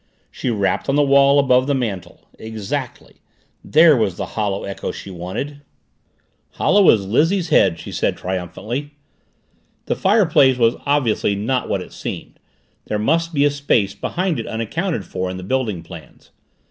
She rapped on the wall above the mantel exactly there was the hollow echo she wanted. "Hollow as Lizzie's head!" she said triumphantly. The fireplace was obviously not what it seemed, there must be a space behind it unaccounted for in the building plans.